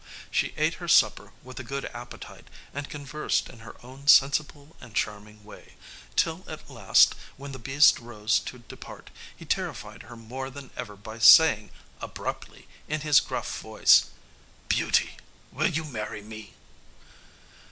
She ate her supper with a good appetite, and conversed in her own sensible and charming way, till at last, when the beast rose to depart, he terrified her more than ever by saying, abruptly, in his gruff voice, "Beauty, will you marry me?"